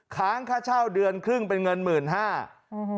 ค้างค่าเช่าเดือนครึ่งเป็นเงิน๑๕๐๐๐บาท